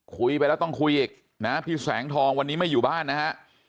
คุยไปแล้วต้องคุยอีกนะพี่แสงทองวันนี้ไม่อยู่บ้านนะฮะ